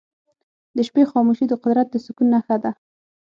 د شپې خاموشي د قدرت د سکون نښه ده.